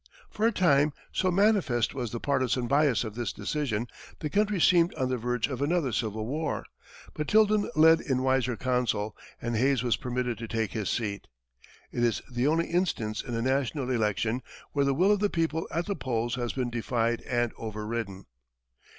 For a time, so manifest was the partisan bias of this decision, the country seemed on the verge of another Civil War, but Tilden led in wiser council, and Hayes was permitted to take his seat. It is the only instance in a national election where the will of the people at the polls has been defied and overridden.